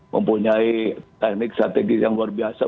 mempunyai teknik strategis yang luar biasa